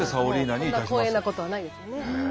こんな光栄なことはないですね。